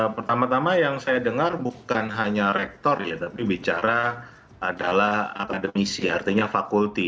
pertama tama yang saya dengar bukan hanya rektor ya tapi bicara adalah akademisi artinya fakulti